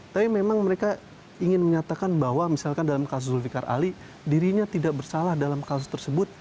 tapi memang mereka ingin menyatakan bahwa misalkan dalam kasus zulfiqar ali dirinya tidak bersalah dalam kasus tersebut